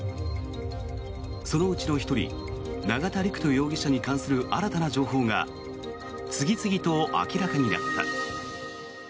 そのうちの１人永田陸人容疑者に関する新たな情報が次々と明らかになった。